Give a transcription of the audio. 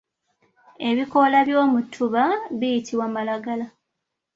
Ebikoola by’omutuba biyitibwa malagala.